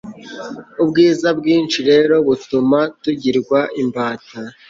ubwiza bwinshi rero butuma tugirwa imbata